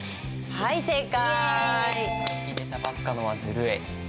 はい正解！